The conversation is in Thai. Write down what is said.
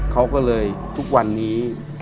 เขาก็เลยทุกวันนี้